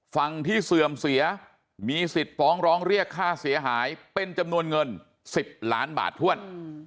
ฝั่งที่เสื่อมเสียมีสิทธิ์ฟ้องร้องเรียกค่าเสียหายเป็นจำนวนเงิน๑๐ล้านบาทถ้วน